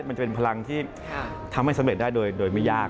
มันจะเป็นพลังที่ทำให้สำเร็จได้โดยไม่ยาก